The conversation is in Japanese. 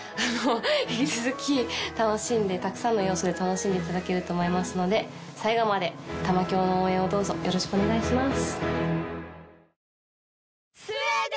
引き続きたくさんの要素で楽しんでいただけると思いますので最後まで玉響の応援をどうぞよろしくお願いします。